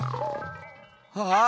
ああ！